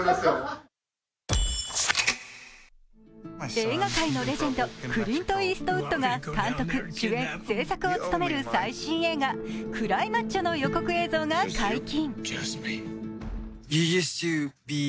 映画界のレジェンド、クリント・イーストウッドが監督、主演、制作を務める最新映画「クライ・マッチョ」の予告映像が解禁。